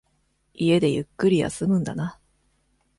家でゆっくり休むんだな。